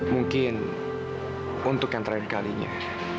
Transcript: mungkin untuk yang terakhir kalinya